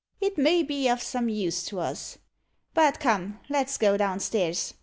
It may be o' some use to us. But come, let's go down stairs.